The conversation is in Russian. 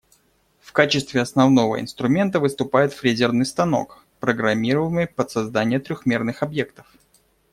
В качестве основного инструмента выступает фрезерный станок, программируемый под создание трёхмерных объектов.